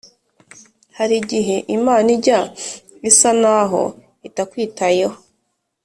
harigihe imana ijya isa naho itakwitayeho